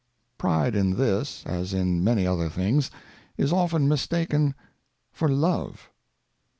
Pride in this, as in many other things, is often mistaken for Love.